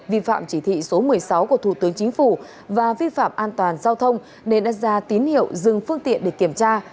vi phạm chỉ thị số một mươi sáu của thủ tướng chính phủ và vi phạm an toàn giao thông nên đã ra tín hiệu dừng phương tiện để kiểm tra